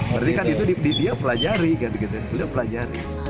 berarti kan itu dia pelajari